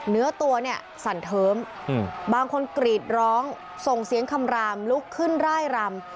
เนื้อตัวเนี่ยสั่นเทิมบางคนกรีดร้องส่งเสียงคำรามลุกขึ้นร่ายรำ